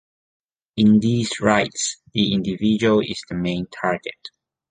In these rights, the individual is the main target.